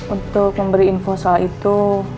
untuk memberi info soal itu